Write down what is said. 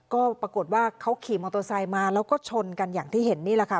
ก็ปรากฏว่าเขาขี่มอเตอร์ไซค์มาแล้วก็ชนกันอย่างที่เห็นนี่แหละค่ะ